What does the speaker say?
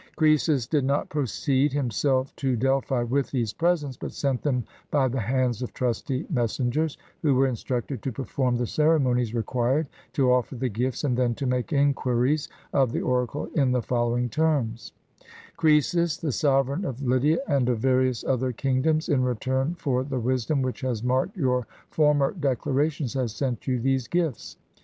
Crcesus did not proceed himself to Delphi with these presents, but sent them by the hands of trusty messen gers, who were instructed to perform the ceremonies required, to offer the gifts, and then to make inquiries of the oracle in the following terms :—" Croesus, the sovereign of Lydia and of various other kingdoms, in return for the wisdom which has marked your former declarations, has sent you these gifts.